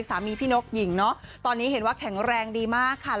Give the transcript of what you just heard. พี่นกหญิงเนอะตอนนี้เห็นว่าแข็งแรงดีมากค่ะ